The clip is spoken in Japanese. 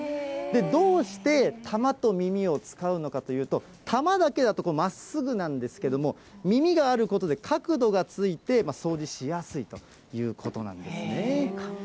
どうして玉と耳を使うのかというと、玉だけだと、まっすぐなんですけども、耳があることで、角度がついて、掃除しやすいということなんですね。